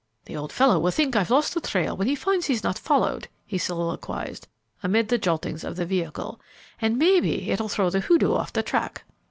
"The old fellow will think I've lost the trail when he finds he's not followed," he soliloquized, amid the joltings of the vehicle, "and maybe it will throw the hoodoo off the track."